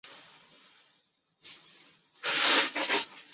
状元张去华第十子。